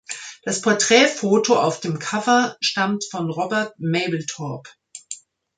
Das Porträtfoto auf dem Cover stammt von Robert Mapplethorpe.